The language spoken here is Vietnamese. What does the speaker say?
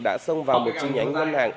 đã xông vào một chi nhánh ngân hàng